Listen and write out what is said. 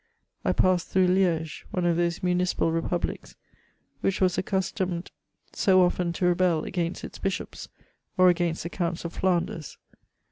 I passed through Liege, one of those municipal republics, which was accustomed so often to rebel against its bishops, or against the counts of Flanders.